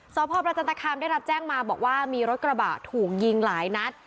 สพประจันตคามได้รับแจ้งมาบอกว่ามีรถกระบะถูกยิงหลายนัด